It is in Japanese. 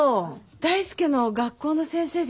大介の学校の先生です。